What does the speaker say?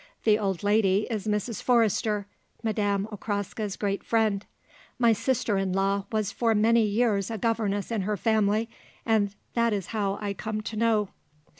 The old lady is Mrs. Forrester, Madame Okraska's great friend; my sister in law was for many years a governess in her family, and that is how I come to know."